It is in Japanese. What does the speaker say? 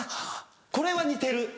これは似てる！